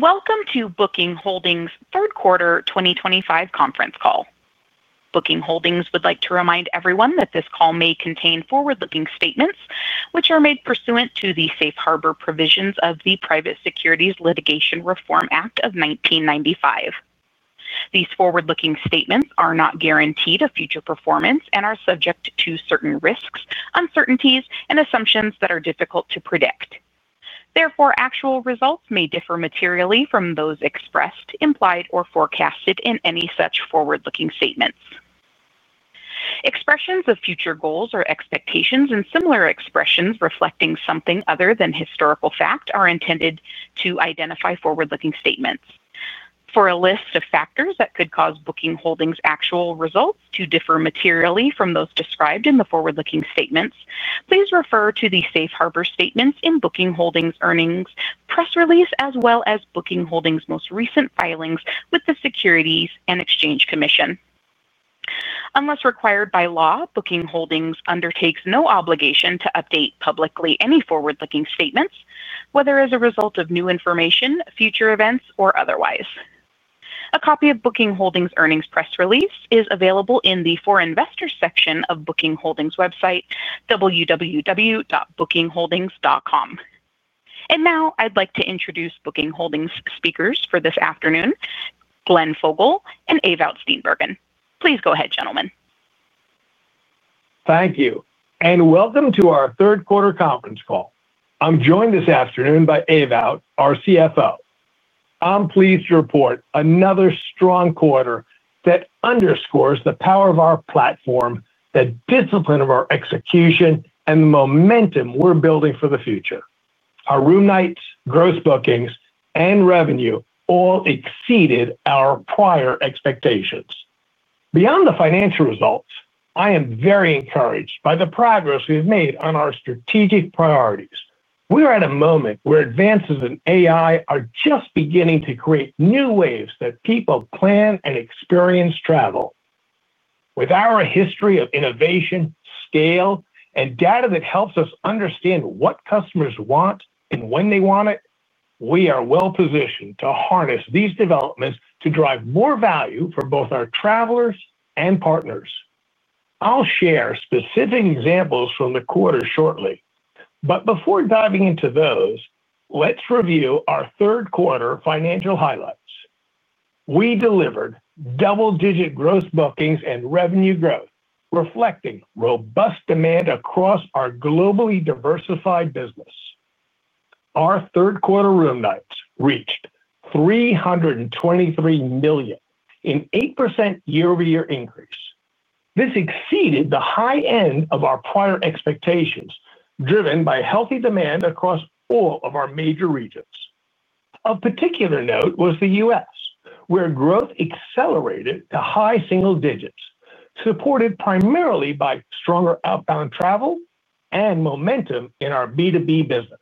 Welcome to Booking Holdings' third quarter 2025 conference call. Booking Holdings would like to remind everyone that this call may contain forward-looking statements, which are made pursuant to the Safe Harbor provisions of the Private Securities Litigation Reform Act of 1995. These forward-looking statements are not guaranteed of future performance and are subject to certain risks, uncertainties, and assumptions that are difficult to predict. Therefore, actual results may differ materially from those expressed, implied, or forecasted in any such forward-looking statements. Expressions of future goals or expectations and similar expressions reflecting something other than historical fact are intended to identify forward-looking statements. For a list of factors that could cause Booking Holdings' actual results to differ materially from those described in the forward-looking statements, please refer to the Safe Harbor statements in Booking Holdings' earnings press release, as well as Booking Holdings' most recent filings with the Securities and Exchange Commission. Unless required by law, Booking Holdings undertakes no obligation to update publicly any forward-looking statements, whether as a result of new information, future events, or otherwise. A copy of Booking Holdings' earnings press release is available in the For Investors section of Booking Holdings' website, www.bookingholdings.com. I would like to introduce Booking Holdings' speakers for this afternoon, Glenn Fogel and Ewout Steenbergen. Please go ahead, gentlemen. Thank you, and welcome to our third quarter conference call. I'm joined this afternoon by Ewout, our CFO. I'm pleased to report another strong quarter that underscores the power of our platform, the discipline of our execution, and the momentum we're building for the future. Our room nights, gross bookings, and revenue all exceeded our prior expectations. Beyond the financial results, I am very encouraged by the progress we've made on our strategic priorities. We are at a moment where advances in AI are just beginning to create new ways that people plan and experience travel. With our history of innovation, scale, and data that helps us understand what customers want and when they want it, we are well-positioned to harness these developments to drive more value for both our travelers and partners. I'll share specific examples from the quarter shortly. Before diving into those, let's review our third quarter financial highlights. We delivered double-digit gross bookings and revenue growth, reflecting robust demand across our globally diversified business. Our third quarter room nights reached 323 million, an 8% year-over-year increase. This exceeded the high end of our prior expectations, driven by healthy demand across all of our major regions. Of particular note was the U.S., where growth accelerated to high single digits, supported primarily by stronger outbound travel and momentum in our B2B business.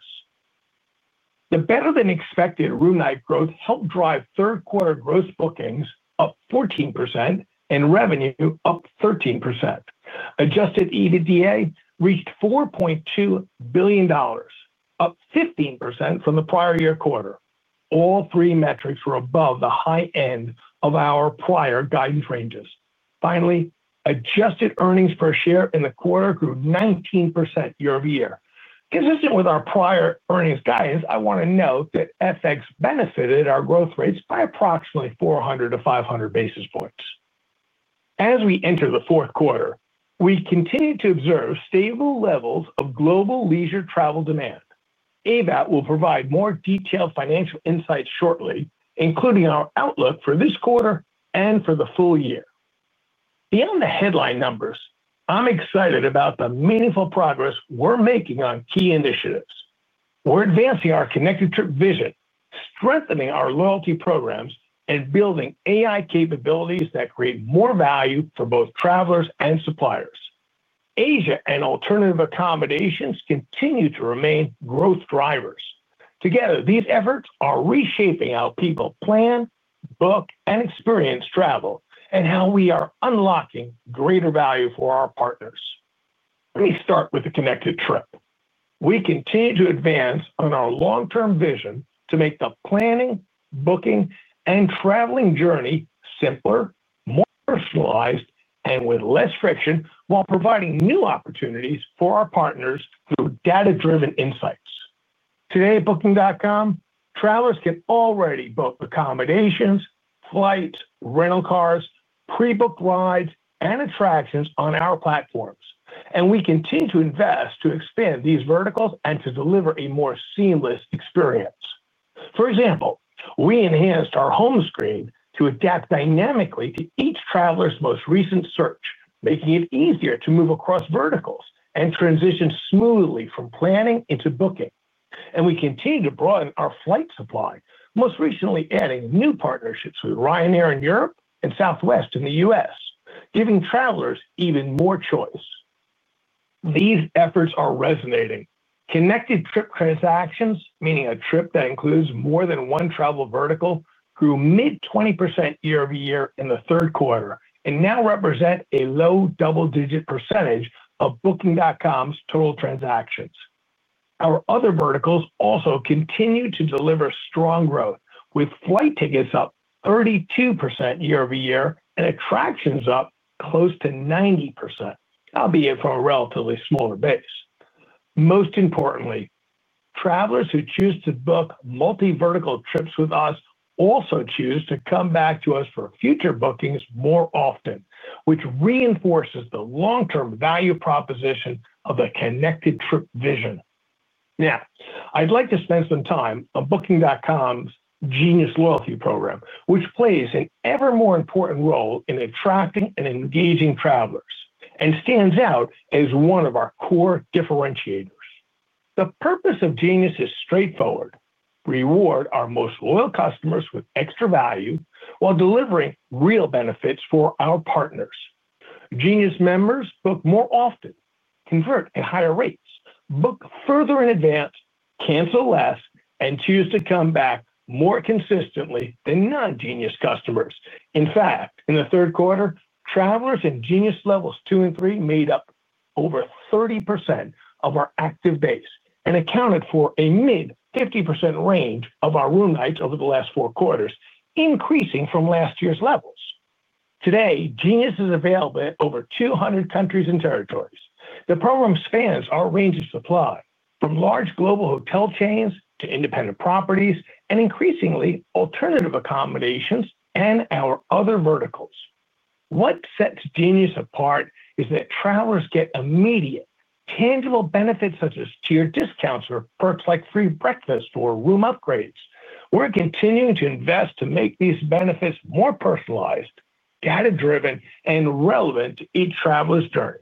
The better-than-expected room night growth helped drive third-quarter gross bookings up 14% and revenue up 13%. Adjusted EBITDA reached $4.2 billion, up 15% from the prior year quarter. All three metrics were above the high end of our prior guidance ranges. Finally, adjusted earnings per share in the quarter grew 19% year-over-year. Consistent with our prior earnings guidance, I want to note that FX benefited our growth rates by approximately 400 basis points-500 basis points. As we enter the fourth quarter, we continue to observe stable levels of global leisure travel demand. Ewout will provide more detailed financial insights shortly, including our outlook for this quarter and for the full year. Beyond the headline numbers, I'm excited about the meaningful progress we're making on key initiatives. We're advancing our connected Trip vision, strengthening our loyalty programs, and building AI capabilities that create more value for both travelers and suppliers. Asia and alternative accommodations continue to remain growth drivers. Together, these efforts are reshaping how people plan, book, and experience travel, and how we are unlocking greater value for our partners. Let me start with the connected trip. We continue to advance on our long-term vision to make the planning, booking, and traveling journey simpler, more personalized, and with less friction, while providing new opportunities for our partners through data-driven insights. Today, on Booking.com, travelers can already book accommodations, flights, rental cars, pre-booked rides, and attractions on our platforms. We continue to invest to expand these verticals and to deliver a more seamless experience. For example, we enhanced our home screen to adapt dynamically to each traveler's most recent search, making it easier to move across verticals and transition smoothly from planning into booking. We continue to broaden our flight supply, most recently adding new partnerships with Ryanair in Europe and Southwest in the U.S., giving travelers even more choice. These efforts are resonating. Connected trip transactions, meaning a trip that includes more than one travel vertical, grew mid-20% year-over-year in the third quarter and now represent a low double-digit percentage of Booking.com's total transactions. Our other verticals also continue to deliver strong growth, with flight tickets up 32% year-over-year and attractions up close to 90%, albeit from a relatively smaller base. Most importantly, travelers who choose to book multi-vertical trips with us also choose to come back to us for future bookings more often, which reinforces the long-term value proposition of the connected Trip vision. Now, I'd like to spend some time on Booking.com's Genius loyalty program, which plays an ever more important role in attracting and engaging travelers and stands out as one of our core differentiators. The purpose of Genius is straightforward: reward our most loyal customers with extra value while delivering real benefits for our partners. Genius members book more often, convert at higher rates, book further in advance, cancel less, and choose to come back more consistently than non-Genius customers. In fact, in the third quarter, travelers in Genius levels two and three made up over 30% of our active base and accounted for a mid-50% range of our room nights over the last four quarters, increasing from last year's levels. Today, Genius is available in over 200 countries and territories. The program spans our range of supply, from large global hotel chains to independent properties and increasingly alternative accommodations and our other verticals. What sets Genius apart is that travelers get immediate, tangible benefits such as tiered discounts or perks like free breakfast or room upgrades. We're continuing to invest to make these benefits more personalized, data-driven, and relevant to each traveler's journey.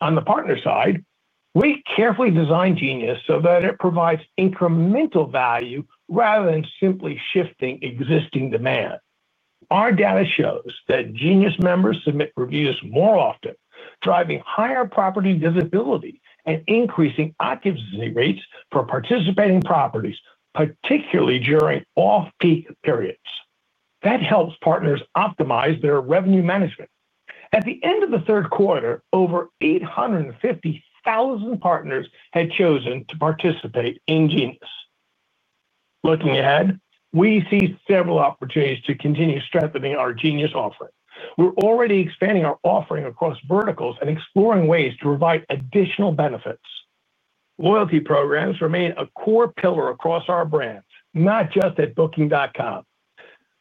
On the partner side, we carefully design Genius so that it provides incremental value rather than simply shifting existing demand. Our data shows that Genius members submit reviews more often, driving higher property visibility and increasing occupancy rates for participating properties, particularly during off-peak periods. That helps partners optimize their revenue management. At the end of the third quarter, over 850,000 partners had chosen to participate in Genius. Looking ahead, we see several opportunities to continue strengthening our Genius offering. We're already expanding our offering across verticals and exploring ways to provide additional benefits. Loyalty programs remain a core pillar across our brands, not just at Booking.com.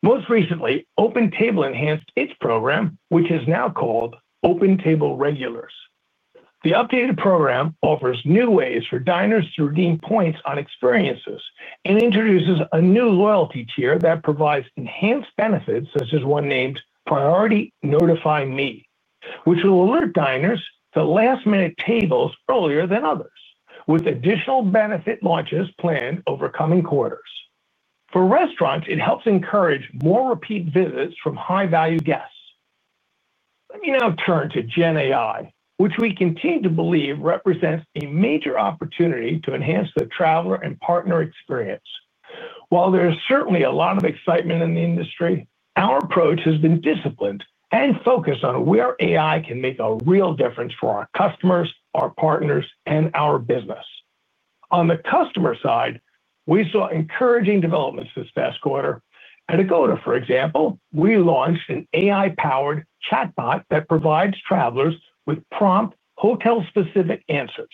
Most recently, OpenTable enhanced its program, which is now called OpenTable Regulars. The updated program offers new ways for diners to redeem points on experiences and introduces a new loyalty tier that provides enhanced benefits, such as one named Priority 'Notify me', which will alert diners to last-minute tables earlier than others, with additional benefit launches planned over coming quarters. For restaurants, it helps encourage more repeat visits from high-value guests. Let me now turn to generative AI, which we continue to believe represents a major opportunity to enhance the traveler and partner experience. While there is certainly a lot of excitement in the industry, our approach has been disciplined and focused on where AI can make a real difference for our customers, our partners, and our business. On the customer side, we saw encouraging developments this past quarter. At Agoda, for example, we launched an AI-powered chatbot that provides travelers with prompt, hotel-specific answers.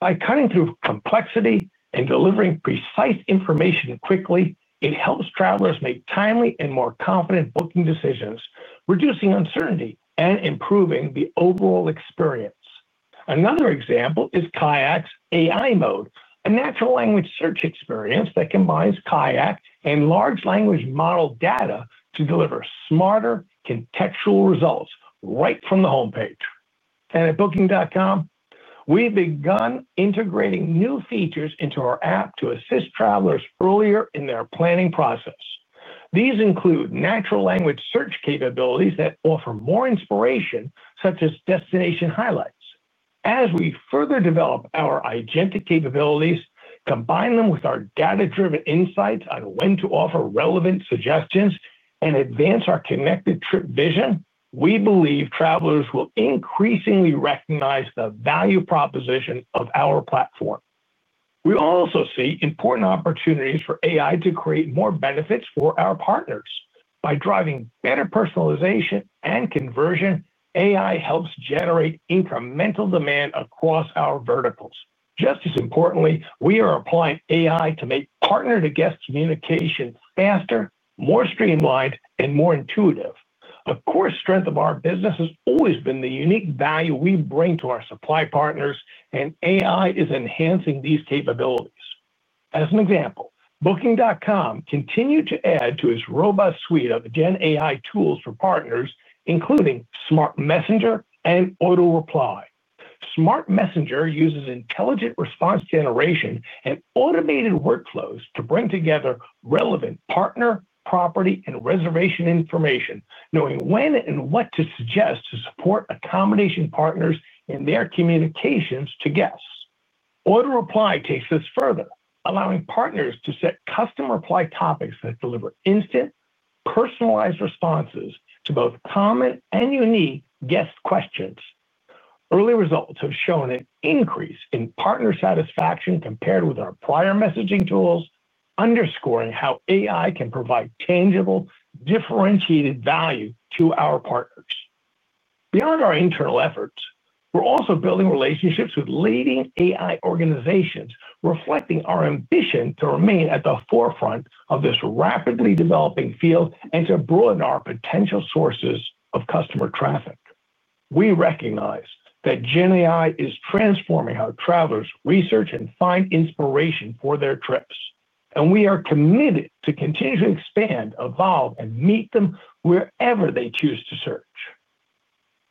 By cutting through complexity and delivering precise information quickly, it helps travelers make timely and more confident booking decisions, reducing uncertainty and improving the overall experience. Another example is KAYAK's AI Mode, a natural language search experience that combines KAYAK and large language model data to deliver smarter, contextual results right from the homepage. At Booking.com, we've begun integrating new features into our app to assist travelers earlier in their planning process. These include natural language search capabilities that offer more inspiration, such as destination highlights. As we further develop our agentic capabilities, combine them with our data-driven insights on when to offer relevant suggestions, and advance our connected Trip vision, we believe travelers will increasingly recognize the value proposition of our platform. We also see important opportunities for AI to create more benefits for our partners. By driving better personalization and conversion, AI helps generate incremental demand across our verticals. Just as importantly, we are applying AI to make partner-to-guest communication faster, more streamlined, and more intuitive. A core strength of our business has always been the unique value we bring to our supply partners, and AI is enhancing these capabilities. As an example, Booking.com continued to add to its robust suite of generative AI tools for partners, including Smart Messenger and Auto-Reply. Smart Messenger uses intelligent response generation and automated workflows to bring together relevant partner, property, and reservation information, knowing when and what to suggest to support accommodation partners in their communications to guests. Auto-Reply takes this further, allowing partners to set custom reply topics that deliver instant, personalized responses to both common and unique guest questions. Early results have shown an increase in partner satisfaction compared with our prior messaging tools, underscoring how AI can provide tangible, differentiated value to our partners. Beyond our internal efforts, we're also building relationships with leading AI organizations, reflecting our ambition to remain at the forefront of this rapidly developing field and to broaden our potential sources of customer traffic. We recognize that generative AI is transforming how travelers research and find inspiration for their trips, and we are committed to continuing to expand, evolve, and meet them wherever they choose to search.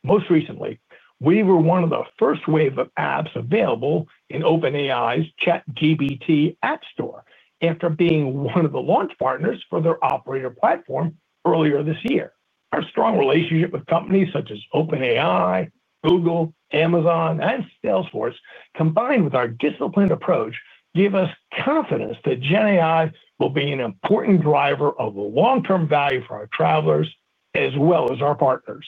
Most recently, we were one of the first wave of apps available in OpenAI's ChatGPT App Store after being one of the launch partners for their operator platform earlier this year. Our strong relationship with companies such as OpenAI, Google, Amazon, and Salesforce, combined with our disciplined approach, gave us confidence that Gen AI will be an important driver of the long-term value for our travelers as well as our partners.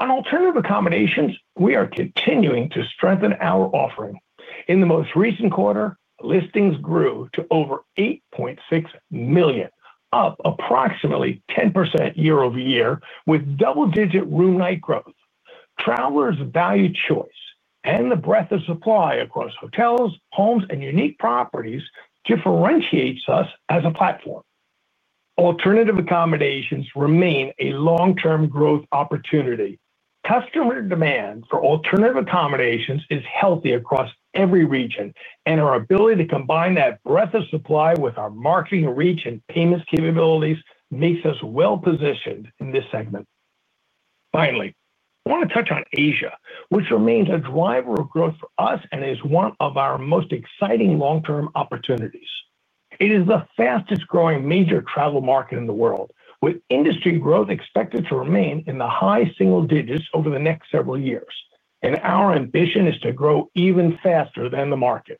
On alternative accommodations, we are continuing to strengthen our offering. In the most recent quarter, listings grew to over 8.6 million, up approximately 10% year-over-year, with double-digit room night growth. Travelers value choice, and the breadth of supply across hotels, homes, and unique properties differentiates us as a platform. Alternative accommodations remain a long-term growth opportunity. Customer demand for alternative accommodations is healthy across every region, and our ability to combine that breadth of supply with our marketing reach and payments capabilities makes us well positioned in this segment. Finally, I want to touch on Asia, which remains a driver of growth for us and is one of our most exciting long-term opportunities. It is the fastest growing major travel market in the world, with industry growth expected to remain in the high single digits over the next several years. Our ambition is to grow even faster than the market.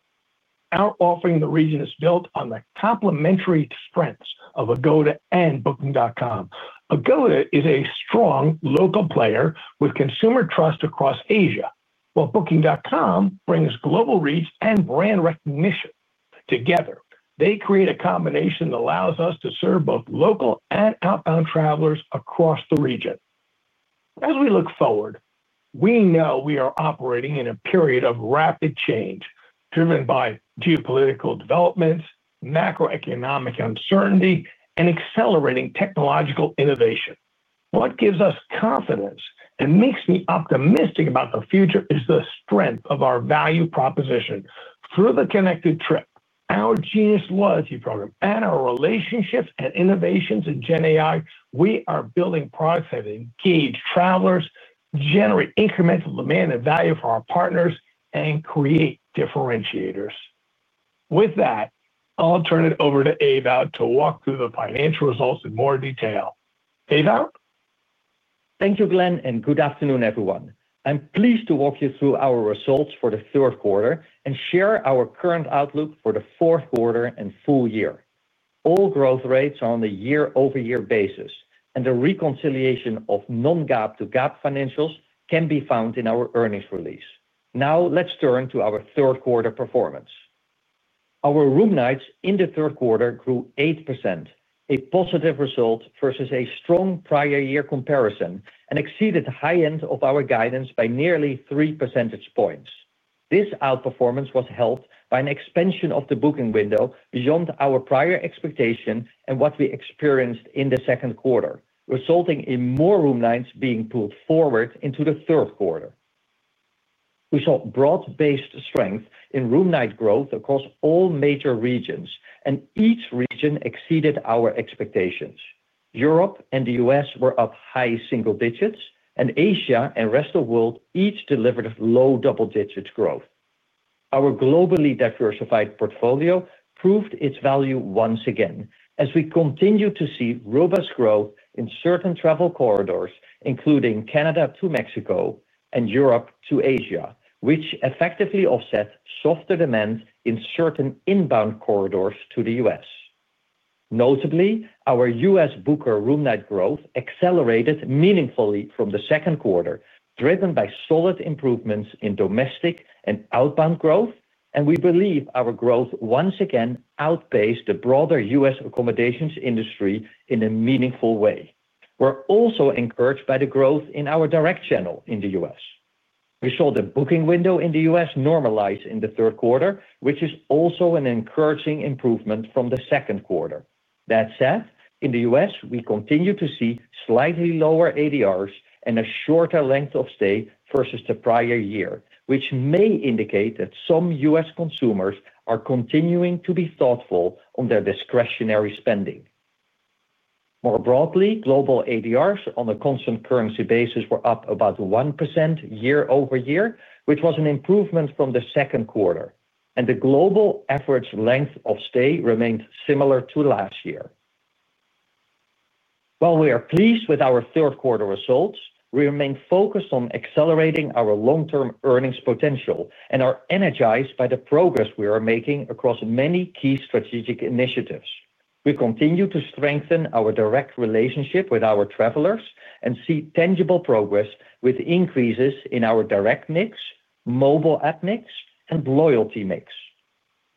Our offering in the region is built on the complementary strengths of Agoda and Booking.com. Agoda is a strong local player with consumer trust across Asia, while Booking.com brings global reach and brand recognition. Together, they create a combination that allows us to serve both local and outbound travelers across the region. As we look forward, we know we are operating in a period of rapid change, driven by geopolitical developments, macroeconomic uncertainty, and accelerating technological innovation. What gives us confidence and makes me optimistic about the future is the strength of our value proposition through the connected trip, our Genius loyalty program, and our relationships and innovations in Gen AI. We are building products that engage travelers, generate incremental demand and value for our partners, and create differentiators. With that, I'll turn it over to Ewout to walk through the financial results in more detail. Ewout? Thank you, Glenn, and good afternoon, everyone. I'm pleased to walk you through our results for the third quarter and share our current outlook for the fourth quarter and full year. All growth rates are on the year-over-year basis, and the reconciliation of non-GAAP to GAAP financials can be found in our earnings release. Now, let's turn to our third quarter performance. Our room nights in the third quarter grew 8%, a positive result versus a strong prior year comparison, and exceeded the high end of our guidance by nearly three percentage points. This outperformance was helped by an expansion of the booking window beyond our prior expectation and what we experienced in the second quarter, resulting in more room nights being pulled forward into the third quarter. We saw broad-based strength in room night growth across all major regions, and each region exceeded our expectations. Europe and the U.S. were up high single digits, and Asia and the rest of the world each delivered low double-digit growth. Our globally diversified portfolio proved its value once again, as we continue to see robust growth in certain travel corridors, including Canada to Mexico and Europe to Asia, which effectively offset softer demand in certain inbound corridors to the U.S. Notably, our U.S. booker room night growth accelerated meaningfully from the second quarter, driven by solid improvements in domestic and outbound growth, and we believe our growth once again outpaced the broader U.S. accommodations industry in a meaningful way. We're also encouraged by the growth in our direct channel in the U.S. We saw the booking window in the U.S. normalize in the third quarter, which is also an encouraging improvement from the second quarter. That said, in the U.S., we continue to see slightly lower ADRs and a shorter length of stay versus the prior year, which may indicate that some U.S. consumers are continuing to be thoughtful on their discretionary spending. More broadly, global ADRs on a constant currency basis were up about 1% year-over-year, which was an improvement from the second quarter, and the global efforts' length of stay remained similar to last year. While we are pleased with our third quarter results, we remain focused on accelerating our long-term earnings potential and are energized by the progress we are making across many key strategic initiatives. We continue to strengthen our direct relationship with our travelers and see tangible progress with increases in our direct mix, mobile app mix, and loyalty mix.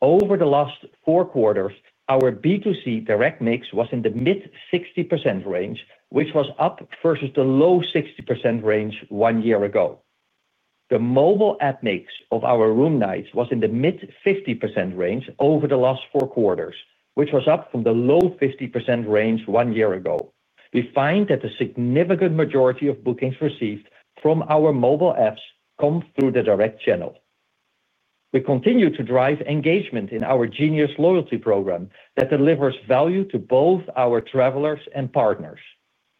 Over the last four quarters, our B2C direct mix was in the mid-60% range, which was up versus the low 60% range one year ago. The mobile app mix of our room nights was in the mid-50% range over the last four quarters, which was up from the low 50% range one year ago. We find that the significant majority of bookings received from our mobile apps come through the direct channel. We continue to drive engagement in our Genius loyalty program that delivers value to both our travelers and partners.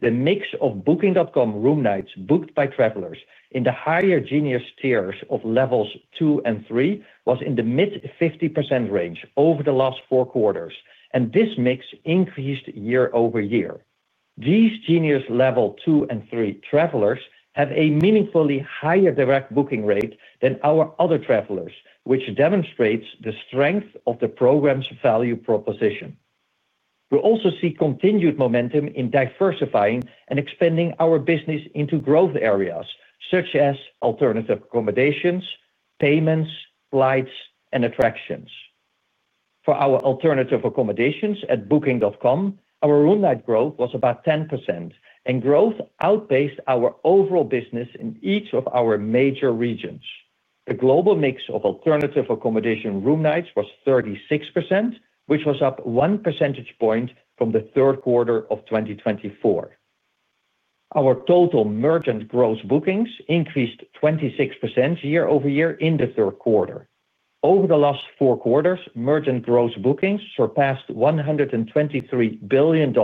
The mix of Booking.com room nights booked by travelers in the higher Genius tiers of levels two and three was in the mid-50% range over the last four quarters, and this mix increased year-over-year. These Genius level two and three travelers have a meaningfully higher direct booking rate than our other travelers, which demonstrates the strength of the program's value proposition. We also see continued momentum in diversifying and expanding our business into growth areas, such as alternative accommodations, payments, flights, and attractions. For our alternative accommodations at Booking.com, our room night growth was about 10%, and growth outpaced our overall business in each of our major regions. The global mix of alternative accommodation room nights was 36%, which was up one percentage point from the third quarter of 2024. Our total merchant gross bookings increased 26% year-over-year in the third quarter. Over the last four quarters, merchant gross bookings surpassed $123 billion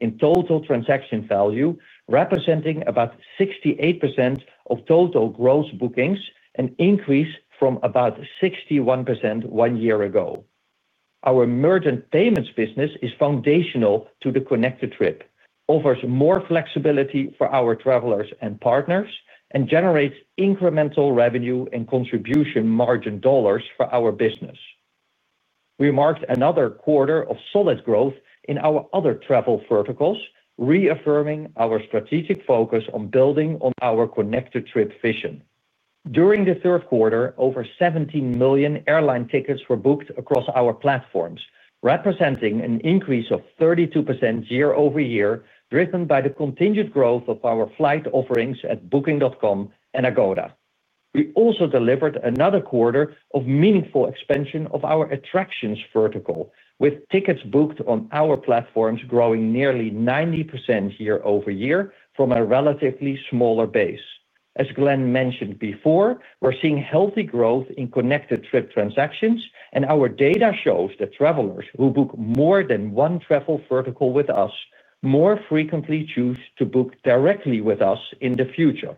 in total transaction value, representing about 68% of total gross bookings, an increase from about 61% one year ago. Our merchant payments business is foundational to the connected trip, offers more flexibility for our travelers and partners, and generates incremental revenue and contribution margin dollars for our business. We marked another quarter of solid growth in our other travel verticals, reaffirming our strategic focus on building on our connected Trip vision. During the third quarter, over 17 million airline tickets were booked across our platforms, representing an increase of 32% year-over-year, driven by the continued growth of our flight offerings at Booking.com and Agoda. We also delivered another quarter of meaningful expansion of our attractions vertical, with tickets booked on our platforms growing nearly 90% year-over-year from a relatively smaller base. As Glenn mentioned before, we're seeing healthy growth in connected trip transactions, and our data shows that travelers who book more than one travel vertical with us more frequently choose to book directly with us in the future.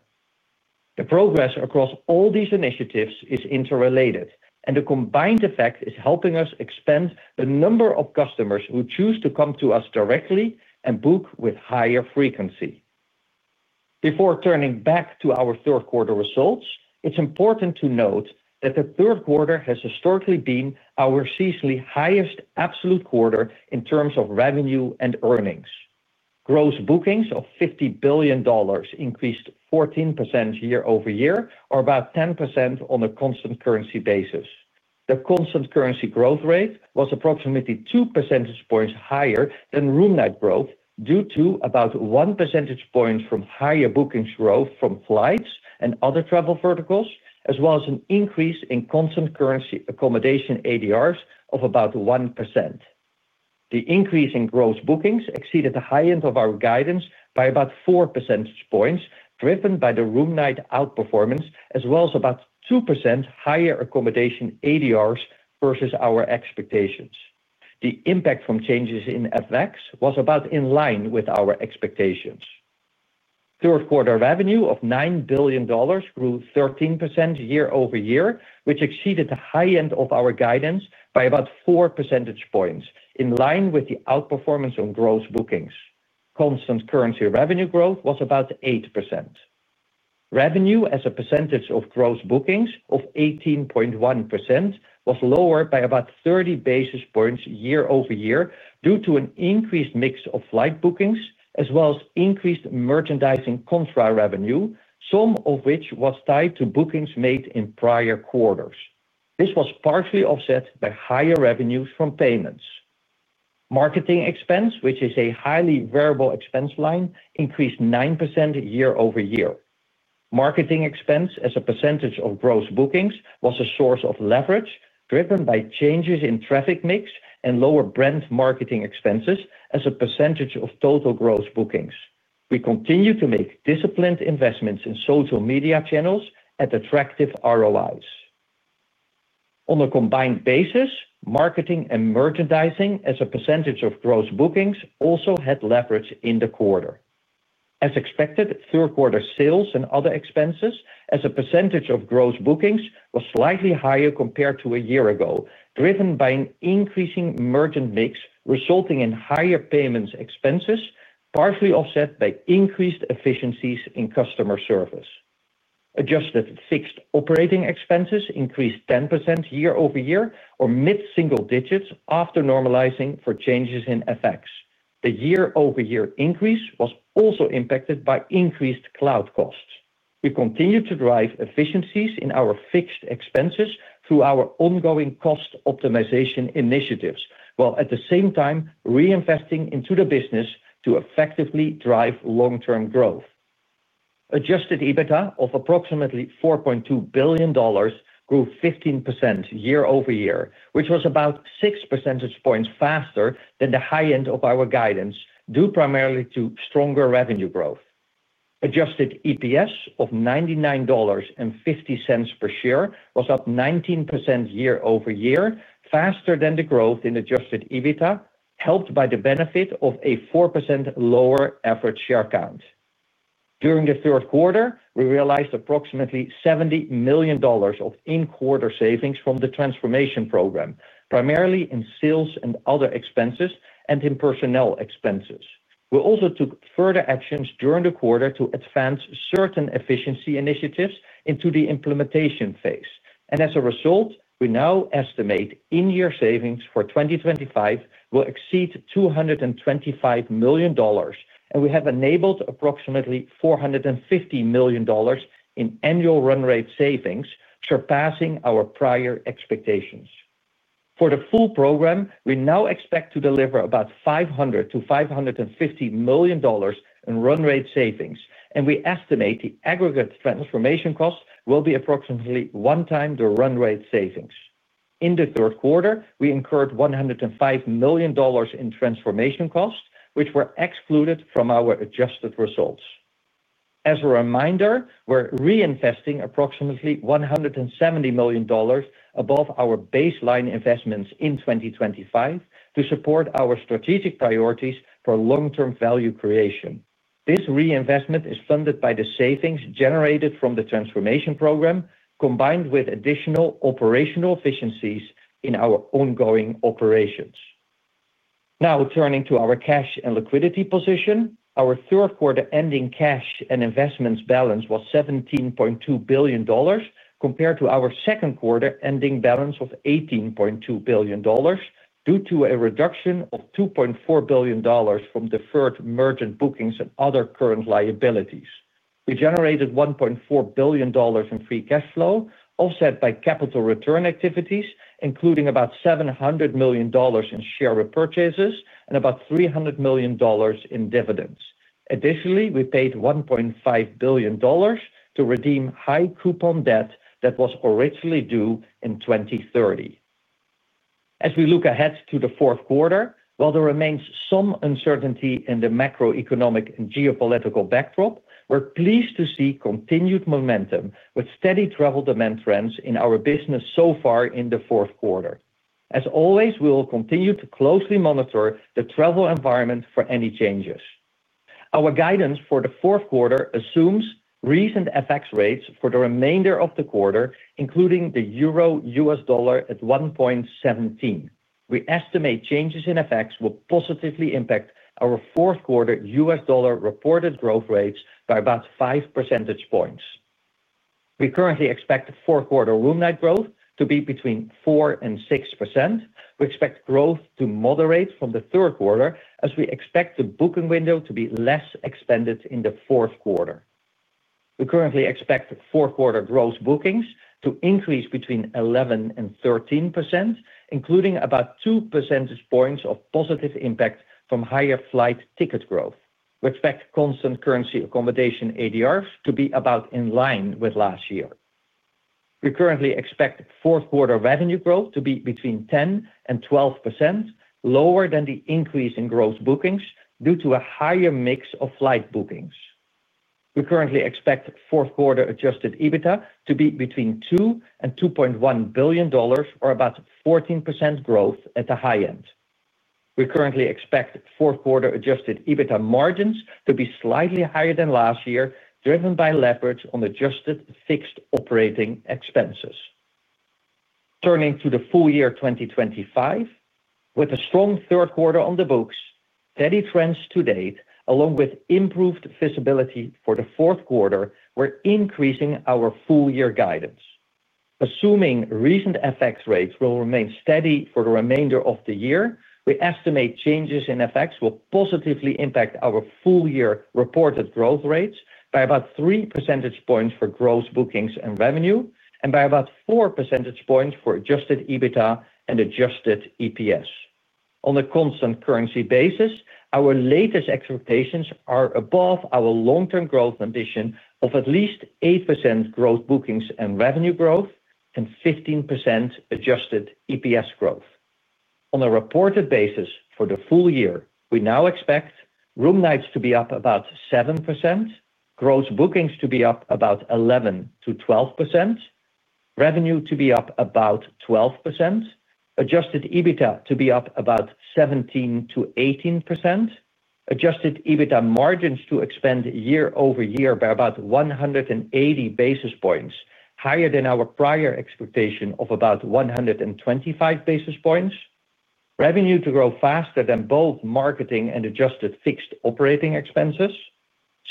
The progress across all these initiatives is interrelated, and the combined effect is helping us expand the number of customers who choose to come to us directly and book with higher frequency. Before turning back to our third quarter results, it's important to note that the third quarter has historically been our seasonally highest absolute quarter in terms of revenue and earnings. Gross bookings of $50 billion increased 14% year-over-year or about 10% on a constant currency basis. The constant currency growth rate was approximately two percentage points higher than room night growth due to about one percentage point from higher bookings growth from flights and other travel verticals, as well as an increase in constant currency accommodation ADRs of about 1%. The increase in gross bookings exceeded the high end of our guidance by about four percentage points, driven by the room night outperformance, as well as about 2% higher accommodation ADRs versus our expectations. The impact from changes in FX was about in line with our expectations. Third quarter revenue of $9 billion grew 13% year-over-year, which exceeded the high end of our guidance by about four percentage points, in line with the outperformance on gross bookings. Constant currency revenue growth was about 8%. Revenue as a percentage of gross bookings of 18.1% was lower by about 30 basis points year-over-year due to an increased mix of flight bookings, as well as increased merchandising contra revenue, some of which was tied to bookings made in prior quarters. This was partially offset by higher revenues from payments. Marketing expense, which is a highly variable expense line, increased 9% year-over-year. Marketing expense as a percentage of gross bookings was a source of leverage, driven by changes in traffic mix and lower brand marketing expenses as a percentage of total gross bookings. We continue to make disciplined investments in social media channels at attractive ROIs. On a combined basis, marketing and merchandising as a percentage of gross bookings also had leverage in the quarter. As expected, third quarter sales and other expenses as a percentage of gross bookings were slightly higher compared to a year ago, driven by an increasing merchant mix resulting in higher payments expenses, partially offset by increased efficiencies in customer service. Adjusted fixed operating expenses increased 10% year-over-year or mid-single digits after normalizing for changes in FX. The year-over-year increase was also impacted by increased cloud costs. We continue to drive efficiencies in our fixed expenses through our ongoing cost optimization initiatives, while at the same time reinvesting into the business to effectively drive long-term growth. Adjusted EBITDA of approximately $4.2 billion grew 15% year-over-year, which was about 6 percentage points faster than the high end of our guidance, due primarily to stronger revenue growth. Adjusted EPS of $99.50 per share was up 19% year-over-year, faster than the growth in adjusted EBITDA, helped by the benefit of a 4% lower average share count. During the third quarter, we realized approximately $70 million of in-quarter savings from the transformation program, primarily in sales and other expenses and in personnel expenses. We also took further actions during the quarter to advance certain efficiency initiatives into the implementation phase. As a result, we now estimate in-year savings for 2025 will exceed $225 million, and we have enabled approximately $450 million in annual run rate savings, surpassing our prior expectations. For the full program, we now expect to deliver about $500 million-$550 million in run-rate savings, and we estimate the aggregate transformation cost will be approximately one time the run-rate savings. In the third quarter, we incurred $105 million in transformation costs, which were excluded from our adjusted results. As a reminder, we're reinvesting approximately $170 million above our baseline investments in 2025 to support our strategic priorities for long-term value creation. This reinvestment is funded by the savings generated from the transformation program, combined with additional operational efficiencies in our ongoing operations. Now turning to our cash and liquidity position, our third quarter ending cash and investments balance was $17.2 billion, compared to our second quarter ending balance of $18.2 billion, due to a reduction of $2.4 billion from deferred merchant bookings and other current liabilities. We generated $1.4 billion in free cash flow, offset by capital return activities, including about $700 million in share repurchases and about $300 million in dividends. Additionally, we paid $1.5 billion to redeem high coupon debt that was originally due in 2030. As we look ahead to the fourth quarter, while there remains some uncertainty in the macroeconomic and geopolitical backdrop, we're pleased to see continued momentum with steady travel demand trends in our business so far in the fourth quarter. As always, we will continue to closely monitor the travel environment for any changes. Our guidance for the fourth quarter assumes recent FX rates for the remainder of the quarter, including the euro U.S. dollar at 1.17. We estimate changes in FX will positively impact our fourth quarter U.S. dollar reported growth rates by about 5%. We currently expect fourth quarter room night growth to be between 4% and 6%. We expect growth to moderate from the third quarter, as we expect the booking window to be less expanded in the fourth quarter. We currently expect fourth quarter gross bookings to increase between 11% and 13%, including about 2% of positive impact from higher flight ticket growth. We expect constant currency accommodation ADRs to be about in line with last year. We currently expect fourth quarter revenue growth to be between 10% and 12%, lower than the increase in gross bookings due to a higher mix of flight bookings. We currently expect fourth quarter adjusted EBITDA to be between $2 billion and $2.1 billion, or about 14% growth at the high end. We currently expect fourth quarter adjusted EBITDA margins to be slightly higher than last year, driven by leverage on adjusted fixed operating expenses. Turning to the full year 2025, with a strong third quarter on the books, steady trends to date, along with improved visibility for the fourth quarter, we're increasing our full year guidance. Assuming recent FX rates will remain steady for the remainder of the year, we estimate changes in FX will positively impact our full year reported growth rates by about 3% for gross bookings and revenue, and by about 4% for adjusted EBITDA and adjusted EPS. On a constant currency basis, our latest expectations are above our long-term growth ambition of at least 8% gross bookings and revenue growth and 15% adjusted EPS growth. On a reported basis for the full year, we now expect room nights to be up about 7%, gross bookings to be up about 11%-12%, revenue to be up about 12%, adjusted EBITDA to be up about 17%-18%, adjusted EBITDA margins to expand year-over-year by about 180 basis points, higher than our prior expectation of about 125 basis points, revenue to grow faster than both marketing and adjusted fixed operating expenses,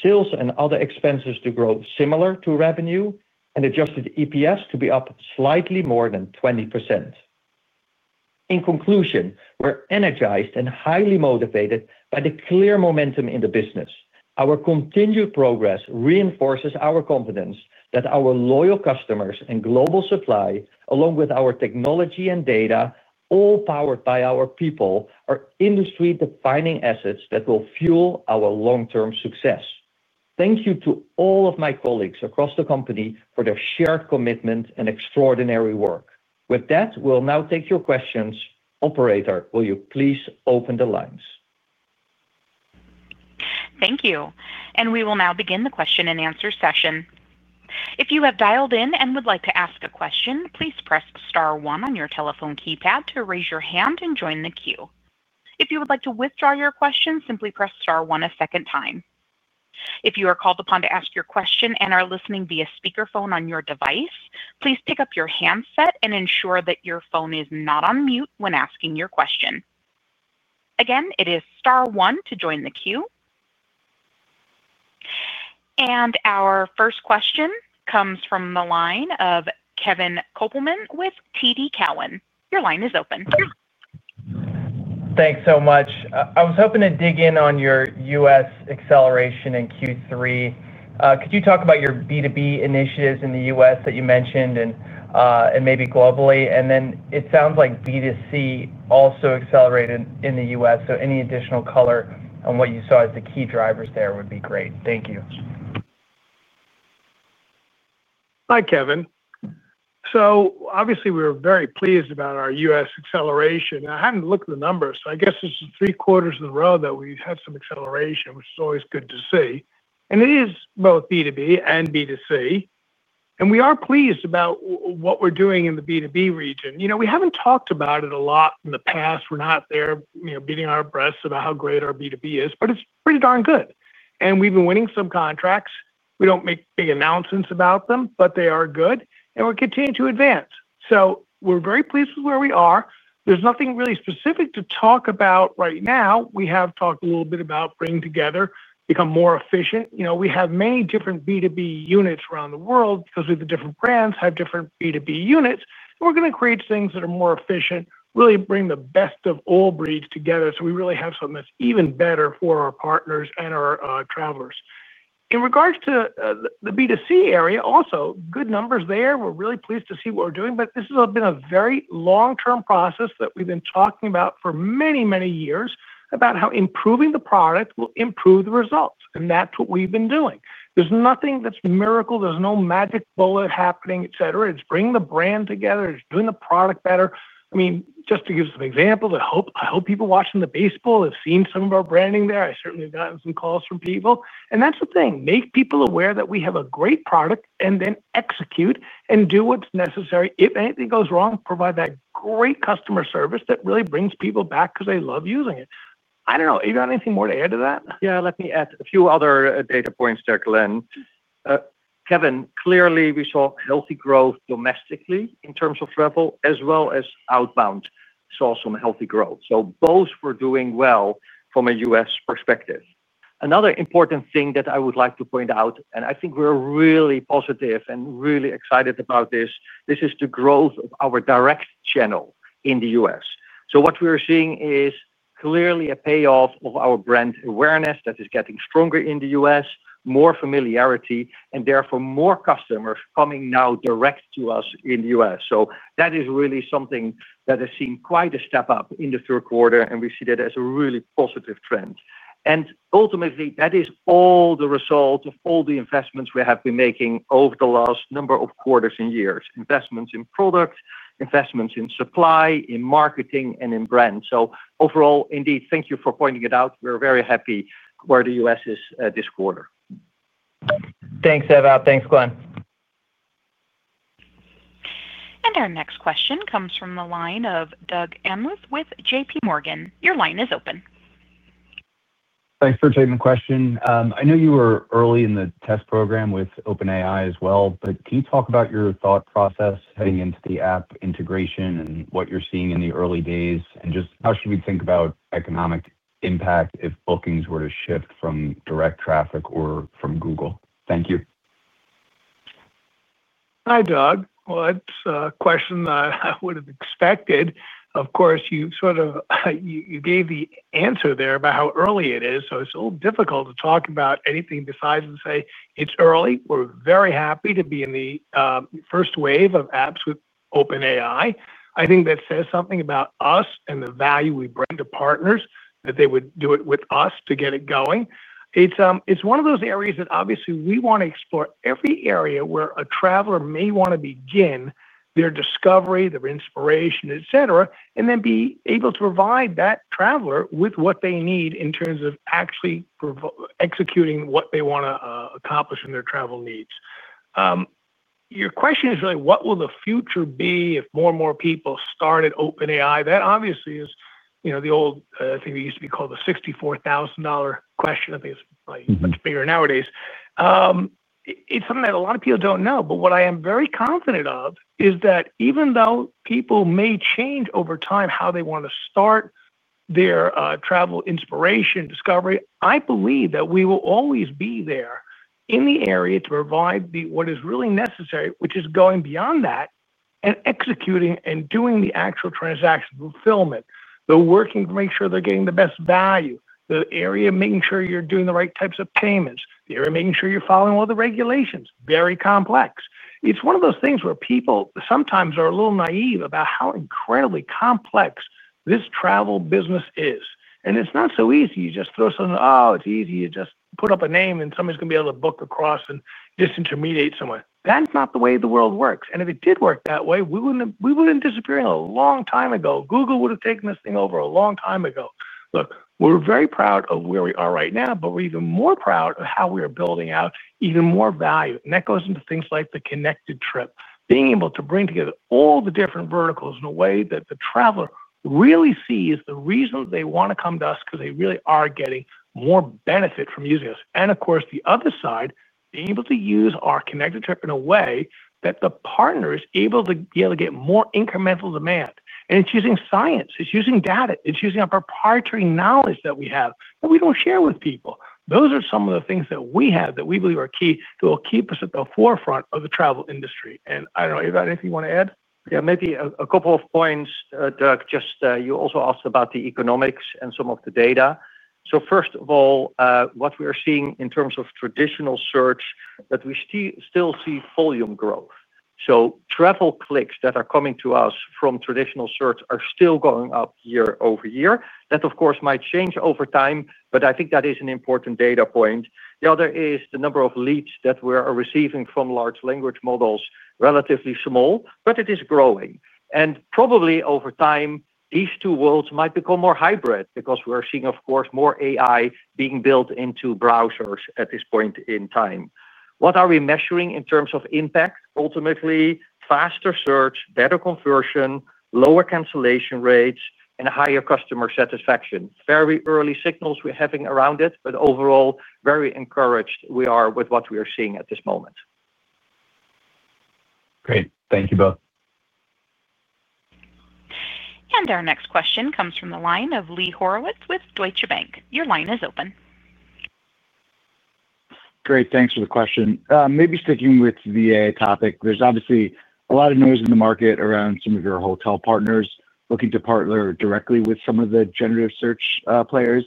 sales and other expenses to grow similar to revenue, and adjusted EPS to be up slightly more than 20%. In conclusion, we're energized and highly motivated by the clear momentum in the business. Our continued progress reinforces our confidence that our loyal customers and global supply, along with our technology and data, all powered by our people, are industry-defining assets that will fuel our long-term success. Thank you to all of my colleagues across the company for their shared commitment and extraordinary work. With that, we'll now take your questions. Operator, will you please open the lines? Thank you. We will now begin the question-and-answer session. If you have dialed in and would like to ask a question, please press star one on your telephone keypad to raise your hand and join the queue. If you would like to withdraw your question, simply press star one a second time. If you are called upon to ask your question and are listening via speakerphone on your device, please pick up your handset and ensure that your phone is not on mute when asking your question. Again, it is star one to join the queue. Our first question comes from the line of Kevin Kopelman with TD Cowen. Your line is open. Thanks so much. I was hoping to dig in on your U.S. acceleration in Q3. Could you talk about your B2B initiatives in the U.S. that you mentioned and maybe globally? It sounds like B2C also accelerated in the U.S. Any additional color on what you saw as the key drivers there would be great. Thank you. Hi, Kevin. Obviously, we were very pleased about our U.S. acceleration. I hadn't looked at the numbers, so I guess it's three quarters in a row that we've had some acceleration, which is always good to see. It is both B2B and B2C. We are pleased about what we're doing in the B2B region. We haven't talked about it a lot in the past. We're not there beating our breasts about how great our B2B is, but it's pretty darn good. We've been winning some contracts. We don't make big announcements about them, but they are good. We're continuing to advance. We are very pleased with where we are. There's nothing really specific to talk about right now. We have talked a little bit about bringing together, becoming more efficient. We have many different B2B units around the world because we have the different brands, have different B2B units. We're going to create things that are more efficient, really bring the best of all breeds together so we really have something that's even better for our partners and our travelers. In regards to the B2C area, also good numbers there. We're really pleased to see what we're doing. This has been a very long-term process that we've been talking about for many, many years about how improving the product will improve the results. That's what we've been doing. There's nothing that's miracle. There's no magic bullet happening, etc. It's bringing the brand together. It's doing the product better. Just to give some examples, I hope people watching the baseball have seen some of our branding there. I certainly have gotten some calls from people. That's the thing. Make people aware that we have a great product and then execute and do what's necessary. If anything goes wrong, provide that great customer service that really brings people back because they love using it. I don't know. Ewout, anything more to add to that? Yeah, let me add a few other data points there, Glenn. Kevin, clearly we saw healthy growth domestically in terms of travel, as well as outbound saw some healthy growth. Both were doing well from a U.S. perspective. Another important thing that I would like to point out, and I think we're really positive and really excited about this, is the growth of our direct channel in the U.S. What we are seeing is clearly a payoff of our brand awareness that is getting stronger in the U.S., more familiarity, and therefore more customers coming now direct to us in the U.S. That is really something that has seen quite a step up in the third quarter, and we see that as a really positive trend. Ultimately, that is all the result of all the investments we have been making over the last number of quarters and years, investments in product, investments in supply, in marketing, and in brand. Overall, indeed, thank you for pointing it out. We're very happy where the U.S. is this quarter. Thanks, Ewout. Thanks, Glenn. Our next question comes from the line of Doug Anmuth with JPMorgan. Your line is open. Thanks for taking the question. I know you were early in the test program with OpenAI as well, but can you talk about your thought process heading into the app integration and what you're seeing in the early days? How should we think about economic impact if Bookings were to shift from direct traffic or from Google? Thank you. Hi, Doug. It's a question that I would have expected. Of course, you sort of gave the answer there about how early it is. It's a little difficult to talk about anything besides and say it's early. We're very happy to be in the first wave of apps with OpenAI. I think that says something about us and the value we bring to partners, that they would do it with us to get it going. It's one of those areas that obviously we want to explore every area where a traveler may want to begin their discovery, their inspiration, et cetera, and then be able to provide that traveler with what they need in terms of actually executing what they want to accomplish in their travel needs. Your question is really, what will the future be if more and more people start at OpenAI? That obviously is the old thing that used to be called the $64,000 question. I think it's probably much bigger nowadays. It's something that a lot of people don't know. What I am very confident of is that even though people may change over time how they want to start their travel inspiration discovery, I believe that we will always be there in the area to provide what is really necessary, which is going beyond that and executing and doing the actual transaction fulfillment. They're working to make sure they're getting the best value, the area of making sure you're doing the right types of payments, the area of making sure you're following all the regulations. Very complex. It's one of those things where people sometimes are a little naive about how incredibly complex this travel business is. It's not so easy. You just throw something out. It's easy. You just put up a name, and somebody's going to be able to book across and just intermediate somewhere. That's not the way the world works. If it did work that way, we would have disappeared a long time ago. Google would have taken this thing over a long time ago. We're very proud of where we are right now, but we're even more proud of how we are building out even more value. That goes into things like the connected trip, being able to bring together all the different verticals in a way that the traveler really sees the reason they want to come to us because they really are getting more benefit from using us. Of course, the other side, being able to use our connected trip in a way that the partner is able to be able to get more incremental demand. It's using science. It's using data. It's using our proprietary knowledge that we have that we don't share with people. Those are some of the things that we have that we believe are key, that will keep us at the forefront of the travel industry. I don't know, Ewout, anything you want to add? Yeah, maybe a couple of points, Doug. You also asked about the economics and some of the data. First of all, what we are seeing in terms of traditional search is that we still see volume growth. Travel clicks that are coming to us from traditional search are still going up year-over-year. That, of course, might change over time, but I think that is an important data point. The other is the number of leads that we are receiving from large language models, relatively small, but it is growing. Probably over time, these two worlds might become more hybrid because we're seeing, of course, more AI being built into browsers at this point in time. What are we measuring in terms of impact? Ultimately, faster search, better conversion, lower cancellation rates, and higher customer satisfaction. Very early signals we're having around it, but overall, very encouraged we are with what we are seeing at this moment. Great. Thank you both. Our next question comes from the line of Lee Horowitz with Deutsche Bank. Your line is open. Great. Thanks for the question. Maybe sticking with the AI topic, there's obviously a lot of noise in the market around some of your hotel partners looking to partner directly with some of the generative search players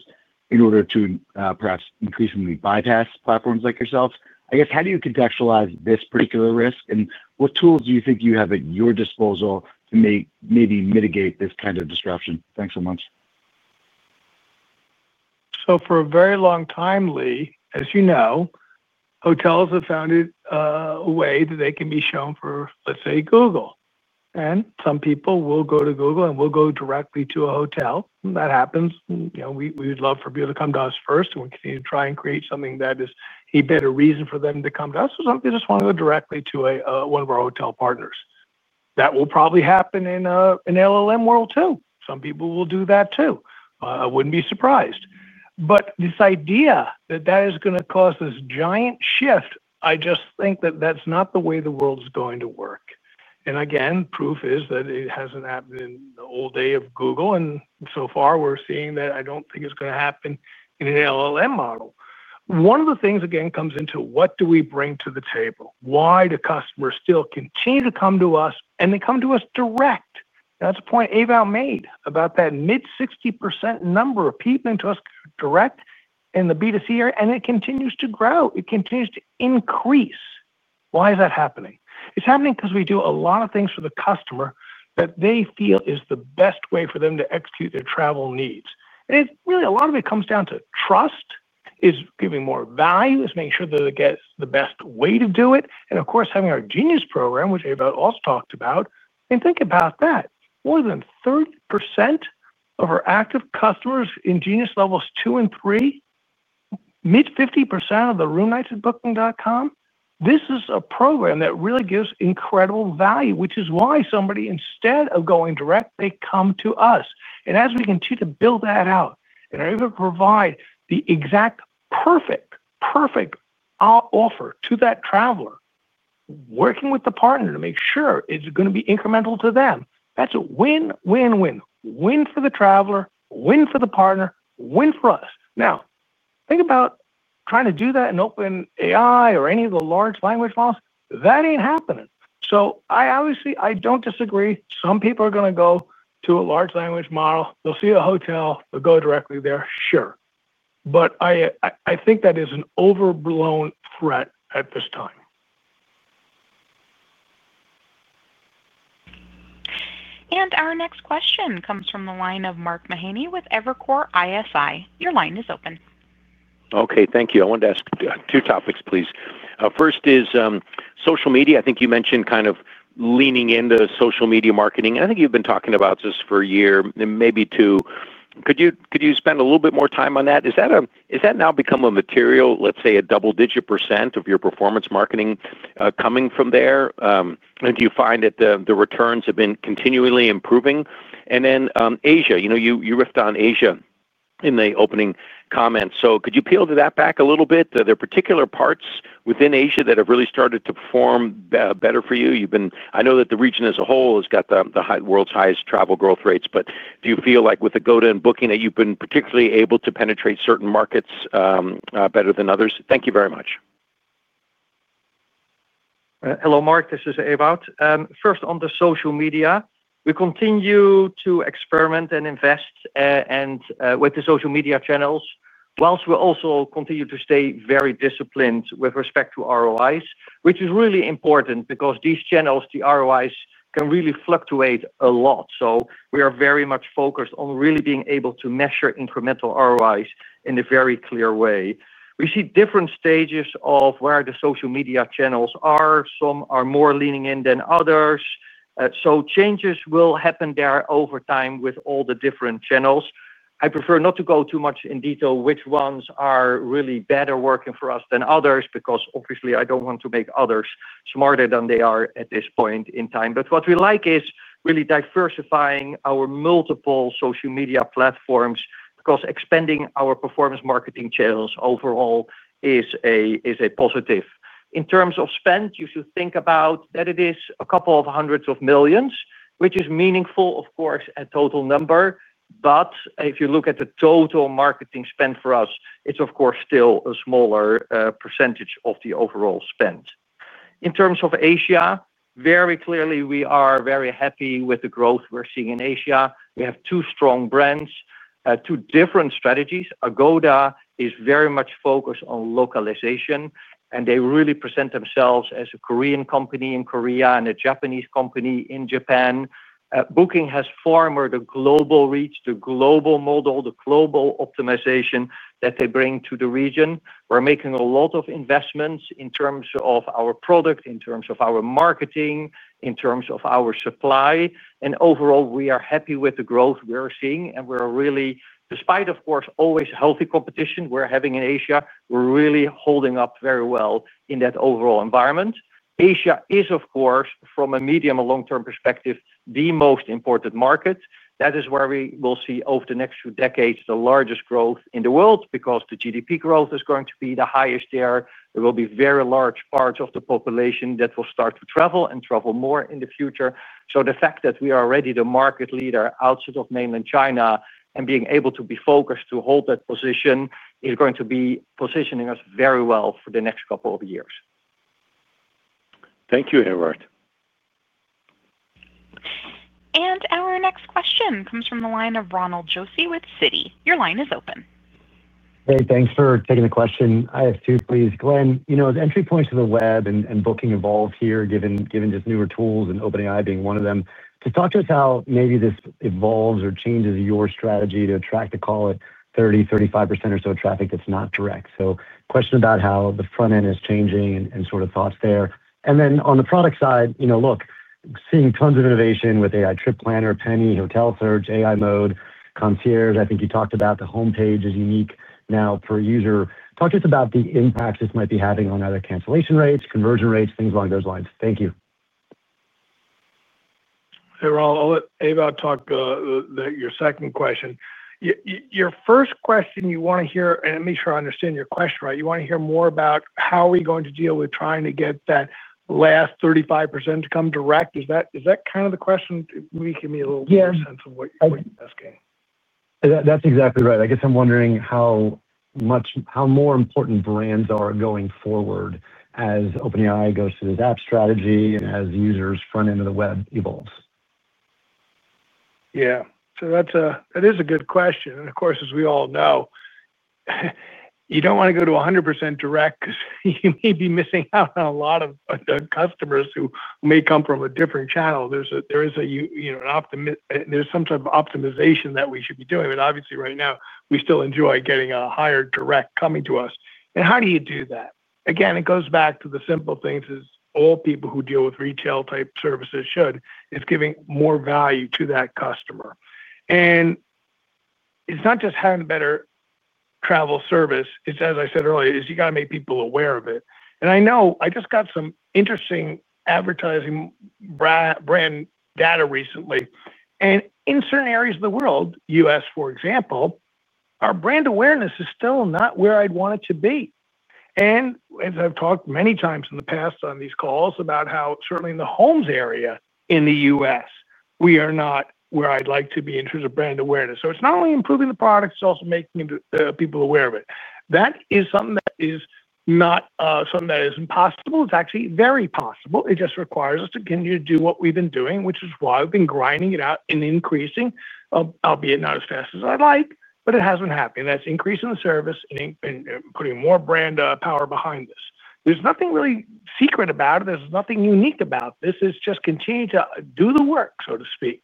in order to perhaps increasingly bypass platforms like yourself. I guess, how do you contextualize this particular risk, and what tools do you think you have at your disposal to maybe mitigate this kind of disruption? Thanks so much. For a very long time, Lee, as you know, hotels have found a way that they can be shown for, let's say, Google. Some people will go to Google and will go directly to a hotel. That happens. We would love for people to come to us first, and we continue to try and create something that is a better reason for them to come to us, or some people just want to go directly to one of our hotel partners. That will probably happen in an LLM world too. Some people will do that too. I wouldn't be surprised. This idea that that is going to cause this giant shift, I just think that that's not the way the world is going to work. Proof is that it hasn't happened in the old day of Google. So far, we're seeing that I don't think it's going to happen in an LLM model. One of the things, again, comes into what do we bring to the table? Why do customers still continue to come to us, and they come to us direct? That's a point Ewout made about that mid-60% number of people coming to us direct in the B2C area, and it continues to grow. It continues to increase. Why is that happening? It's happening because we do a lot of things for the customer that they feel is the best way for them to execute their travel needs. A lot of it comes down to trust, is giving more value, is making sure that they get the best way to do it. Of course, having our Genius program, which Ewout also talked about, and think about that, more than 30% of our active customers in Genius levels two and three, mid-50% of the room nights at Booking.com. This is a program that really gives incredible value, which is why somebody, instead of going direct, they come to us. As we continue to build that out and are able to provide the exact perfect, perfect offer to that traveler, working with the partner to make sure it's going to be incremental to them, that's a win, win, win. Win for the traveler, win for the partner, win for us. Now, think about trying to do that in OpenAI or any of the large language models. That isn't happening. I don't disagree. Some people are going to go to a large language model. They'll see a hotel. They'll go directly there. Sure. I think that is an overblown threat at this time. Our next question comes from the line of Mark Mahaney with Evercore ISI. Your line is open. OK, thank you. I wanted to ask two topics, please. First is social media. I think you mentioned kind of leaning into social media marketing. I think you've been talking about this for a year, maybe two. Could you spend a little bit more time on that? Is that now become a material, let's say, a double-digit percent of your performance marketing coming from there? Do you find that the returns have been continually improving? Asia, you riffed on Asia in the opening comments. Could you peel that back a little bit? Are there particular parts within Asia that have really started to perform better for you? I know that the region as a whole has got the world's highest travel growth rates. Do you feel like with Agoda and Booking that you've been particularly able to penetrate certain markets better than others? Thank you very much. Hello, Mark. This is Ewout. First, on the social media, we continue to experiment and invest with the social media channels, whilst we also continue to stay very disciplined with respect to ROIs, which is really important because these channels, the ROIs can really fluctuate a lot. We are very much focused on really being able to measure incremental ROIs in a very clear way. We see different stages of where the social media channels are. Some are more leaning in than others. Changes will happen there over time with all the different channels. I prefer not to go too much in detail which ones are really better working for us than others because obviously, I don't want to make others smarter than they are at this point in time. What we like is really diversifying our multiple social media platforms because expanding our performance marketing channels overall is a positive. In terms of spend, you should think about that it is a couple of hundreds of millions, which is meaningful, of course, a total number. If you look at the total marketing spend for us, it's, of course, still a smaller percentage of the overall spend. In terms of Asia, very clearly, we are very happy with the growth we're seeing in Asia. We have two strong brands, two different strategies. Agoda is very much focused on localization, and they really present themselves as a Korean company in Korea and a Japanese company in Japan. Booking has far more the global reach, the global model, the global optimization that they bring to the region. We're making a lot of investments in terms of our product, in terms of our marketing, in terms of our supply. Overall, we are happy with the growth we're seeing. We're really, despite, of course, always healthy competition we're having in Asia, we're really holding up very well in that overall environment. Asia is, of course, from a medium and long-term perspective, the most important market. That is where we will see over the next few decades the largest growth in the world because the GDP growth is going to be the highest there. There will be very large parts of the population that will start to travel and travel more in the future. The fact that we are already the market leader outside of mainland China and being able to be focused to hold that position is going to be positioning us very well for the next couple of years. Thank you, Ewout. Our next question comes from the line of Ronald Josey with Citi. Your line is open. Hey, thanks for taking the question. I have two, please. Glenn, you know the entry points of the web and Booking evolve here, given just newer tools and OpenAI being one of them. Just talk to us how maybe this evolves or changes your strategy to attract, to call it, 30%, 35% or so traffic that's not direct. Question about how the front end is changing and sort of thoughts there. On the product side, you know, look, seeing tons of innovation with AI trip planner, Penny, hotel search, AI Mode, concierge. I think you talked about the home page is unique now per user. Talk to us about the impact this might be having on either cancellation rates, conversion rates, things along those lines. Thank you. Hey, Ron. I'll let Ewout talk your second question. Your first question, you want to hear, and let me make sure I understand your question right, you want to hear more about how are we going to deal with trying to get that last 35% to come direct? Is that kind of the question? Maybe give me a little bit more sense of what you're asking. That's exactly right. I guess I'm wondering how much more important brands are going forward as OpenAI goes to this app strategy and as users' front end of the web evolves. Yeah. That is a good question. Of course, as we all know, you don't want to go to 100% direct because you may be missing out on a lot of customers who may come from a different channel. There is an optimization that we should be doing. Obviously, right now, we still enjoy getting a higher direct coming to us. How do you do that? Again, it goes back to the simple things all people who deal with retail-type services should. It's giving more value to that customer. It's not just having a better travel service. As I said earlier, you got to make people aware of it. I know I just got some interesting advertising brand data recently. In certain areas of the world, U.S., for example, our brand awareness is still not where I'd want it to be. As I've talked many times in the past on these calls about how certainly in the homes area in the U.S., we are not where I'd like to be in terms of brand awareness. It's not only improving the product, it's also making people aware of it. That is something that is not something that is impossible. It's actually very possible. It just requires us to continue to do what we've been doing, which is why we've been grinding it out and increasing, albeit not as fast as I'd like, but it has been happening. That's increasing the service and putting more brand power behind this. There's nothing really secret about it. There's nothing unique about this. It's just continue to do the work, so to speak.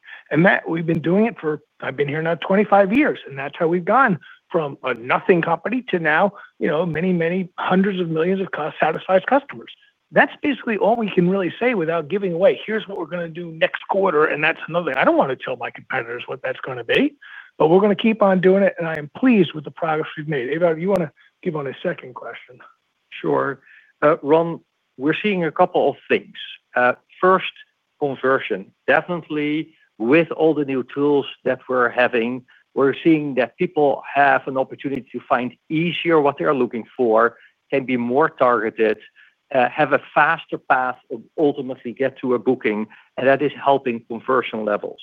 We've been doing it for, I've been here now 25 years. That's how we've gone from a nothing company to now many, many hundreds of millions of satisfied customers. That's basically all we can really say without giving away here's what we're going to do next quarter. I don't want to tell my competitors what that's going to be. We're going to keep on doing it. I am pleased with the progress we've made. Ewout, you want to give on a second question? Sure. Ron, we're seeing a couple of things. First, conversion. Definitely, with all the new tools that we're having, we're seeing that people have an opportunity to find easier what they are looking for, can be more targeted, have a faster path to ultimately get to a booking. That is helping conversion levels.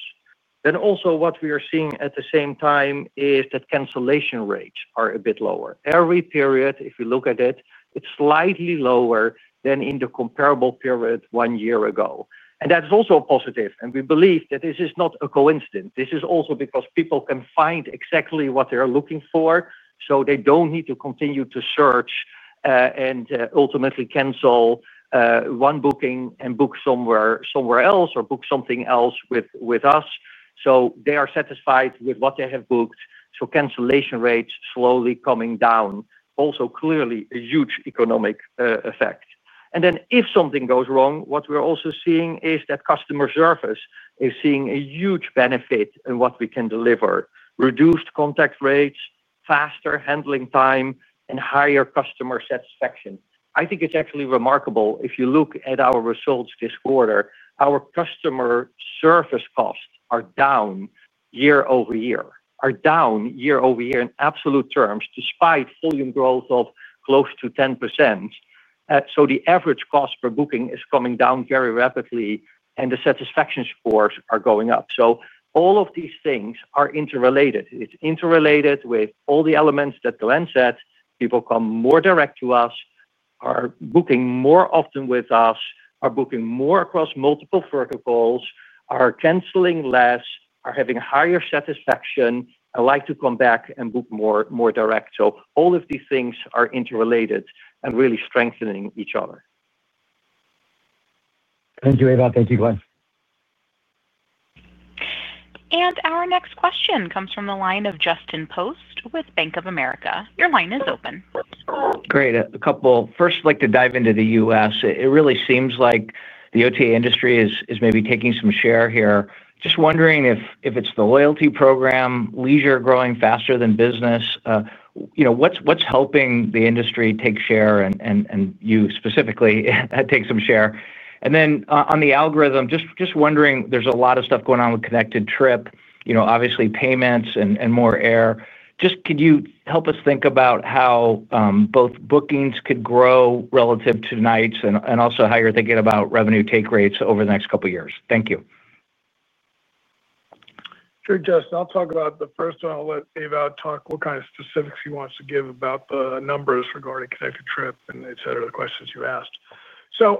Also, what we are seeing at the same time is that cancellation rates are a bit lower. Every period, if you look at it, it's slightly lower than in the comparable period one year ago. That is also a positive. We believe that this is not a coincidence. This is also because people can find exactly what they are looking for. They don't need to continue to search and ultimately cancel one booking and book somewhere else or book something else with us. They are satisfied with what they have booked. Cancellation rates are slowly coming down. Also, clearly, a huge economic effect. If something goes wrong, what we're also seeing is that customer service is seeing a huge benefit in what we can deliver. Reduced contact rates, faster handling time, and higher customer satisfaction. I think it's actually remarkable. If you look at our results this quarter, our customer service costs are down year-over-year, are down year-over-year in absolute terms, despite volume growth of close to 10%. The average cost per booking is coming down very rapidly. The satisfaction scores are going up. All of these things are interrelated. It's interrelated with all the elements that Glenn said. People come more direct to us, are booking more often with us, are booking more across multiple verticals, are canceling less, are having higher satisfaction, and like to come back and book more direct. All of these things are interrelated and really strengthening each other. Thank you, Ewout. Thank you, Glenn. Our next question comes from the line of Justin Post with Bank of America. Your line is open. Great. A couple. First, I'd like to dive into the U.S. It really seems like the OTA industry is maybe taking some share here. Just wondering if it's the loyalty program, leisure growing faster than business. You know, what's helping the industry take share and you specifically take some share? On the algorithm, just wondering, there's a lot of stuff going on with connected trip, obviously payments and more air. Could you help us think about how both Bookings could grow relative to nights and also how you're thinking about revenue take rates over the next couple of years? Thank you. Sure, Justin. I'll talk about the first one. I'll let Ewout talk what kind of specifics he wants to give about the numbers regarding connected trip and et cetera, the questions you asked.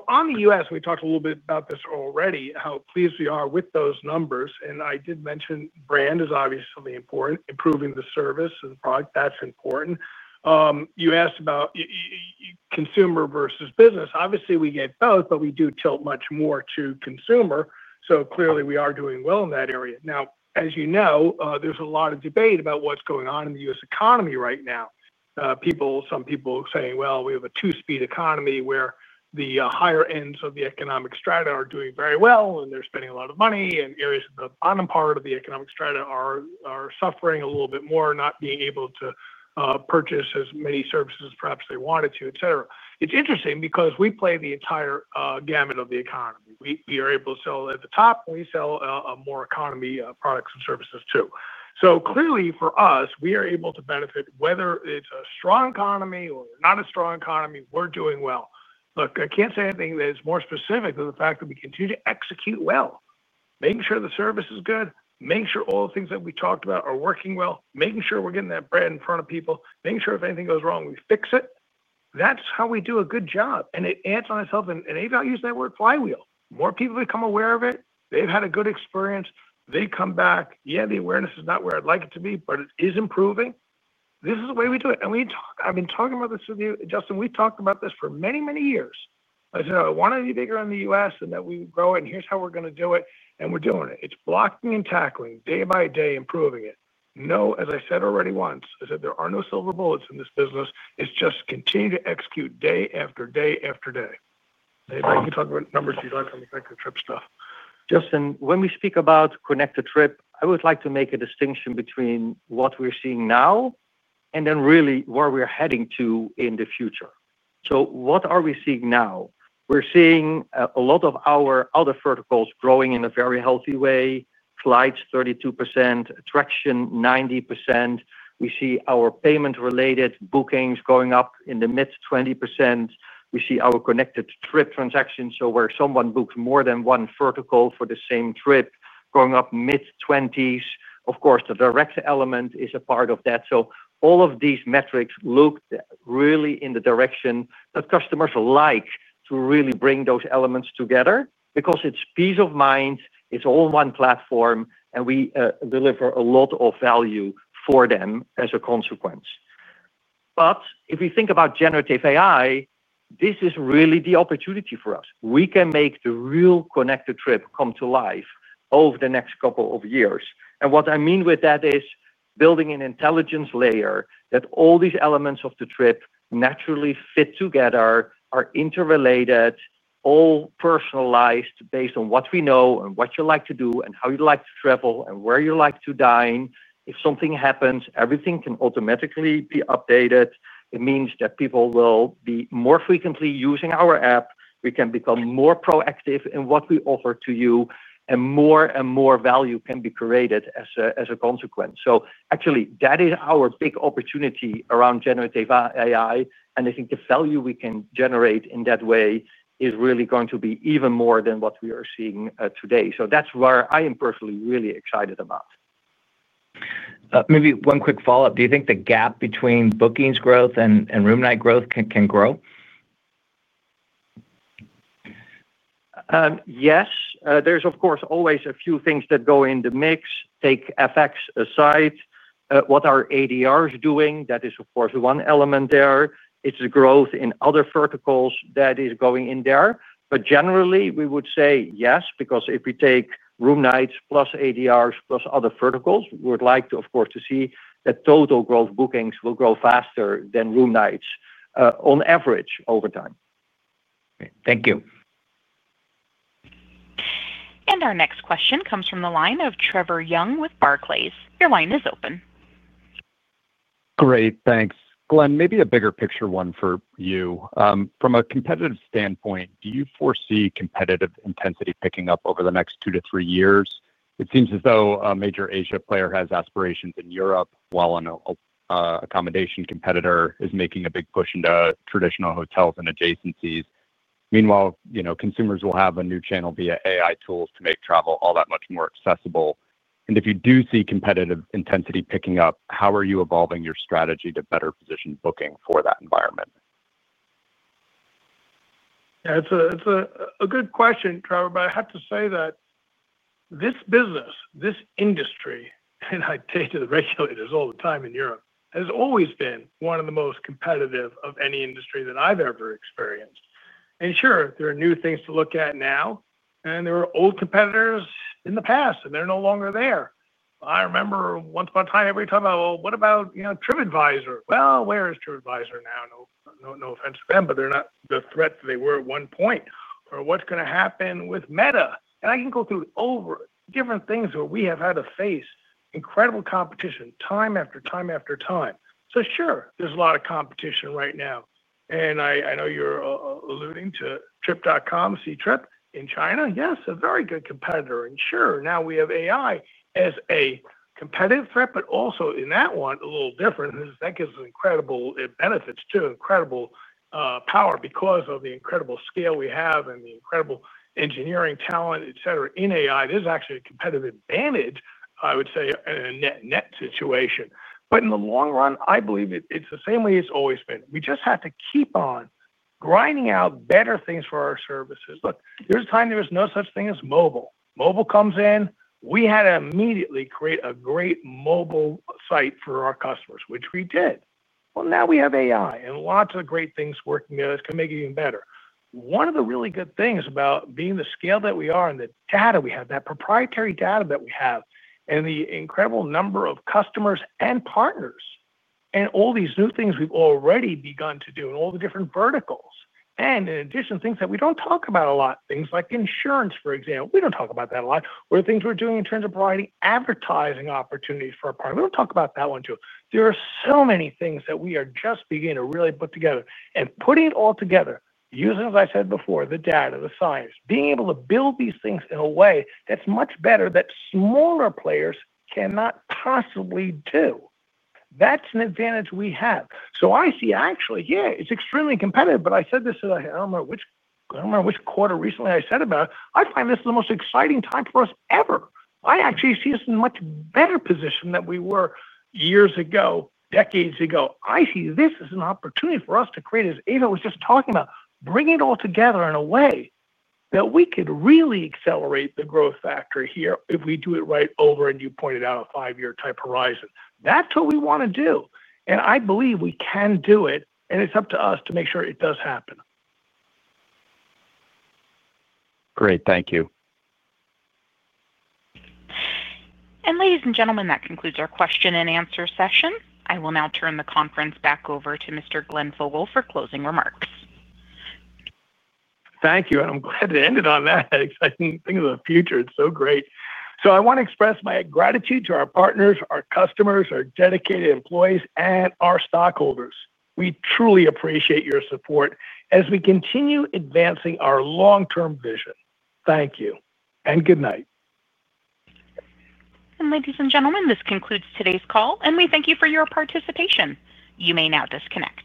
On the U.S., we talked a little bit about this already, how pleased we are with those numbers. I did mention brand is obviously important. Improving the service and the product, that's important. You asked about consumer versus business. Obviously, we get both, but we do tilt much more to consumer. Clearly, we are doing well in that area. As you know, there's a lot of debate about what's going on in the U.S. economy right now. Some people are saying we have a two-speed economy where the higher ends of the economic strata are doing very well, and they're spending a lot of money. Areas in the bottom part of the economic strata are suffering a little bit more, not being able to purchase as many services as perhaps they wanted to, et cetera. It's interesting because we play the entire gamut of the economy. We are able to sell at the top, and we sell more economy products and services too. Clearly, for us, we are able to benefit, whether it's a strong economy or not a strong economy, we're doing well. I can't say anything that is more specific than the fact that we continue to execute well, making sure the service is good, making sure all the things that we talked about are working well, making sure we're getting that brand in front of people, making sure if anything goes wrong, we fix it. That's how we do a good job. It adds on itself. Ewout used that word flywheel. More people become aware of it. They've had a good experience. They come back. The awareness is not where I'd like it to be, but it is improving. This is the way we do it. I've been talking about this with you, Justin. We've talked about this for many, many years. I said I want to be bigger in the U.S. and that we grow it. Here's how we're going to do it. We're doing it. It's blocking and tackling, day by day, improving it. As I said already once, I said there are no silver bullets in this business. It's just continue to execute day after day after day. Ewout, you talk about numbers you like on the connected trip stuff. Justin, when we speak about connected trip, I would like to make a distinction between what we're seeing now and then really where we are heading to in the future. What are we seeing now? We're seeing a lot of our other verticals growing in a very healthy way. Flights, 32%. Attraction, 90%. We see our payment-related bookings going up in the mid-20%. We see our connected trip transactions, where someone books more than one vertical for the same trip, going up mid-20%. Of course, the direct element is a part of that. All of these metrics look really in the direction that customers like to really bring those elements together because it's peace of mind. It's all one platform, and we deliver a lot of value for them as a consequence. If we think about generative AI, this is really the opportunity for us. We can make the real connected trip come to life over the next couple of years. What I mean with that is building an intelligence layer that all these elements of the trip naturally fit together, are interrelated, all personalized based on what we know and what you like to do and how you like to travel and where you like to dine. If something happens, everything can automatically be updated. It means that people will be more frequently using our app. We can become more proactive in what we offer to you, and more and more value can be created as a consequence. That is our big opportunity around generative AI. I think the value we can generate in that way is really going to be even more than what we are seeing today. That's where I am personally really excited about. Maybe one quick follow-up. Do you think the gap between bookings growth and room night growth can grow? Yes. There's, of course, always a few things that go into the mix. Take FX aside. What are ADRs doing? That is, of course, one element there. It's the growth in other verticals that is going in there. Generally, we would say yes, because if we take room nights plus ADRs plus other verticals, we would like to, of course, see that total gross bookings will grow faster than room nights on average over time. Thank you. Our next question comes from the line of Trevor Young with Barclays. Your line is open. Great. Thanks. Glenn, maybe a bigger picture one for you. From a competitive standpoint, do you foresee competitive intensity picking up over the next two to three years? It seems as though a major Asia player has aspirations in Europe, while an accommodation competitor is making a big push into traditional hotels and adjacencies. Meanwhile, consumers will have a new channel via AI tools to make travel all that much more accessible. If you do see competitive intensity picking up, how are you evolving your strategy to better position Booking Holdings for that environment? Yeah, it's a good question, Trevor. I have to say that this business, this industry, and I date it to the regulators all the time in Europe, has always been one of the most competitive of any industry that I've ever experienced. Sure, there are new things to look at now. There were old competitors in the past, and they're no longer there. I remember once upon a time, every time I thought, what about TripAdvisor? Where is TripAdvisor now? No offense to them, but they're not the threat that they were at one point. What's going to happen with Meta? I can go through different things where we have had to face incredible competition time after time after time. Sure, there's a lot of competition right now. I know you're alluding to Trip.com, Ctrip in China. Yes, a very good competitor. Now we have AI as a competitive threat, but also in that one, a little different. That gives us incredible benefits too, incredible power because of the incredible scale we have and the incredible engineering talent, et cetera, in AI. This is actually a competitive advantage, I would say, in a net situation. In the long run, I believe it's the same way it's always been. We just have to keep on grinding out better things for our services. Look, there was a time there was no such thing as mobile. Mobile comes in. We had to immediately create a great mobile site for our customers, which we did. Now we have AI and lots of great things working with us to make it even better. One of the really good things about being the scale that we are and the data we have, that proprietary data that we have, and the incredible number of customers and partners, and all these new things we've already begun to do in all the different verticals, in addition, things that we don't talk about a lot, things like insurance, for example. We don't talk about that a lot. Or things we're doing in terms of providing advertising opportunities for our partners. We don't talk about that one too. There are so many things that we are just beginning to really put together. Putting it all together, using, as I said before, the data, the science, being able to build these things in a way that's much better that smaller players cannot possibly do. That's an advantage we have. I see actually, yeah, it's extremely competitive. I said this to I don't remember which quarter recently I said about it. I find this is the most exciting time for us ever. I actually see us in a much better position than we were years ago, decades ago. I see this as an opportunity for us to create, as Ewout was just talking about, bring it all together in a way that we could really accelerate the growth factor here if we do it right over, you pointed out a five-year type horizon. That's what we want to do. I believe we can do it. It's up to us to make sure it does happen. Great. Thank you. Ladies and gentlemen, that concludes our question-and-answer session. I will now turn the conference back over to Mr. Glenn Fogel for closing remarks. Thank you. I'm glad it ended on that. I didn't think of the future. It's so great. I want to express my gratitude to our partners, our customers, our dedicated employees, and our stockholders. We truly appreciate your support as we continue advancing our long-term vision. Thank you and good night. Ladies and gentlemen, this concludes today's call. We thank you for your participation. You may now disconnect.